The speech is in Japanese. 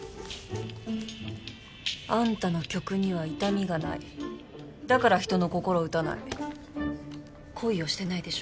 アンタの曲には痛みがないだから人の心を打たない恋をしてないでしょ